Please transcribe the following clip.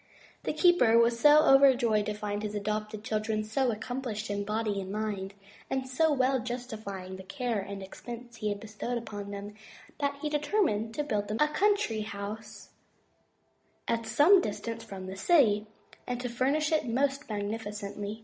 The keeper was so overjoyed to find his adopted children so accomplished in body and mind, and so well justifying the care and expense he had bestowed upon them, that he determined to build them a country house at some distance from the city, and to furnish it most magnificently.